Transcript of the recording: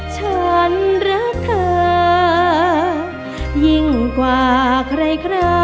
ฉันรักเธอยิ่งกว่าใครครับ